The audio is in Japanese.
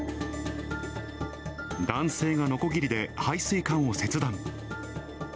男性がのこぎりで排水管を切断。